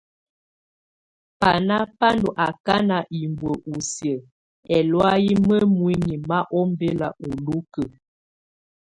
Bana bá nɔ̀ akana hibuǝ́ ù siǝ́ ɛlɔ̀áyɛ mǝmuinyii ma ɔmbɛla ù ulukǝ.